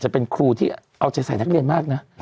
จะเป็นครูที่เอาใจใส่นักเรียนมากนะ